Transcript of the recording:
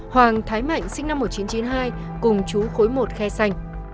hoàng thái mạnh sinh năm một nghìn chín trăm chín mươi hai cùng chú khối một khe xanh